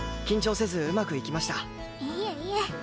いえいえ。